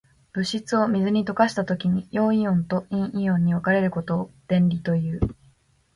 物質を水に溶かしたときに、陽イオンと陰イオンに分かれることを電離という。